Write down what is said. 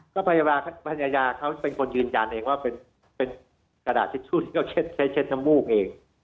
ก็ภรรยาเขาเป็นคนยืนยันเองว่าเป็นกระดาษทิชชู่ก็ใช้เช็ดน้ำมูกเอง